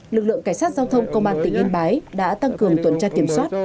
lực lượng cảnh sát giao thông công an tỉnh yên bái đã tăng cường tuần tra kiểm soát